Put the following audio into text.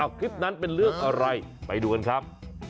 คลิปนั้นเป็นเรื่องอะไรไปดูกันครับ